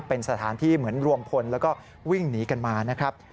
เป็นสถานที่เหมือนรวมพลแล้วก็วิ่งหนีกันมานะครับ